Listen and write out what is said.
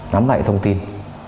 nắm lại thông tin